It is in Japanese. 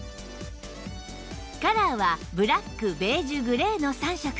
カラーはブラックベージュグレーの３色